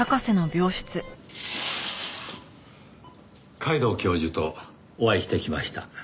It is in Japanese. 皆藤教授とお会いしてきました。